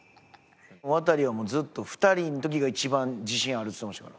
ワタリはもうずっと「２人の時が一番自信ある」っつってましたから。